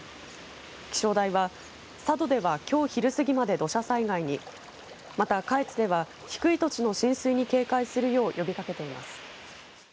気象台は、佐渡ではきょう昼過ぎまで土砂災害にまた下越では、低い土地の浸水に警戒するよう呼びかけています。